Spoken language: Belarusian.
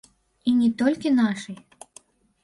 І не толькі нашай.